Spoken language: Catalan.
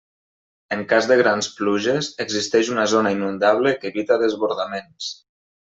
En cas de grans pluges, existeix una zona inundable que evita desbordaments.